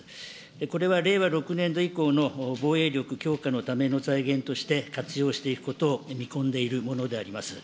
これは令和６年度以降の防衛力強化のための財源として活用していくことを見込んでいるものであります。